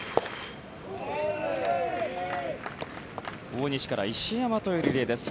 大西から石山というリレーです。